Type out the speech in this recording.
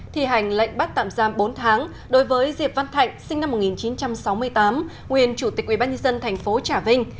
thi hành lệnh bắt tạm giam bốn tháng đối với diệp văn thạnh sinh năm một nghìn chín trăm sáu mươi tám nguyên chủ tịch ubnd tp trà vinh